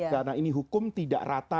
karena ini hukum tidak rata